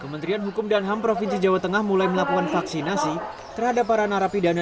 kementerian hukum dan ham provinsi jawa tengah mulai melakukan vaksinasi terhadap para narapidana